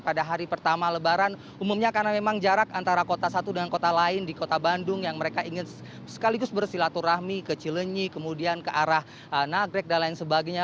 pada hari pertama lebaran umumnya karena memang jarak antara kota satu dengan kota lain di kota bandung yang mereka ingin sekaligus bersilaturahmi ke cilenyi kemudian ke arah nagrek dan lain sebagainya